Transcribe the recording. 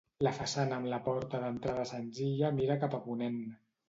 La façana amb la porta d'entrada senzilla mira cap a ponent.